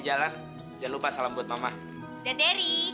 jadi aku harus bisa manggil dia adek